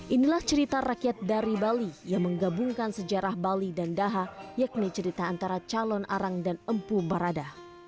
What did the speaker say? inilah cerita rakyat dari bali yang menggabungkan sejarah bali dan daha yakni cerita antara calon arang dan empu barada